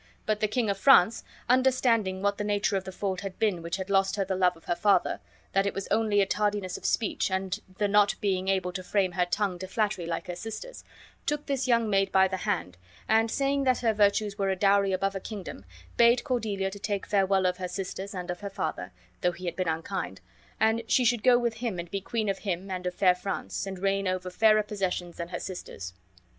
But the King of France, understanding what the nature of the fault had been which had lost her the love of her father that it was only a tardiness of speech and the not being able to frame her tongue to flattery like her sisters took this young maid by the hand and, saying that her virtues were a dowry above a kingdom, bade Cordelia to take farewell of her sisters and of her father, though he had been unkind, and she should go with him and be Queen of him and of fair France, and reign over fairer possessions than her sisters.